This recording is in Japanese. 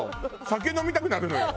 酒飲みたくなるのよ